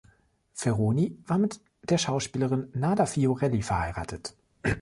Ferroni war mit der Schauspielerin Nada Fiorelli verheiratet.